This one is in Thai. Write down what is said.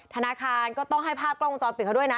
ธนาคารก็ต้องให้ภาพกล้องวงจรปิดเขาด้วยนะ